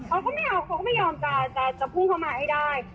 เขาก็ไม่เอาเขาก็ไม่ยอมจะพุ่งเข้ามาให้ได้